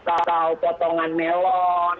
atau potongan melon